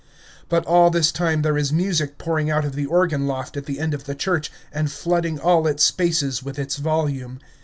But all this time there is music pouring out of the organ loft at the end of the church, and flooding all its spaces with its volume.